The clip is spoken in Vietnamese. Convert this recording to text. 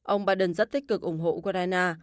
ông biden rất tích cực ủng hộ ukraine